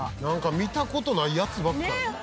見た事ないやつばっかり。